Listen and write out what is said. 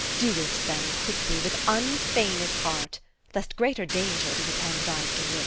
MEPHIST. Do it, then, quickly, with unfeigned heart, Lest greater danger do attend thy drift.